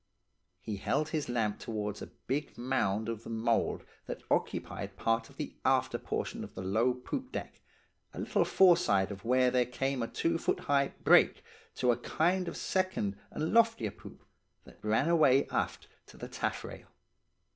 "He held his lamp towards a big mound of the mould that occupied part of the after portion of the low poop deck, a little foreside of where there came a two foot high 'break' to a kind of second and loftier poop, that ran away aft to the taffrail.